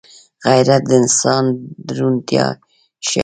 غیرت د انسان درونتيا ښيي